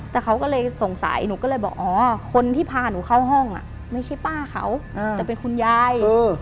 แต่เขาก็เลยสงสัยหนูก็เลยบอกอ๋อคนที่พาหนูเข้าห้องไม่ใช่ป้าเขาแต่เป็นคุณยาย